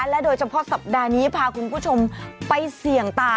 และโดยเฉพาะสัปดาห์นี้พาคุณผู้ชมไปเสี่ยงตา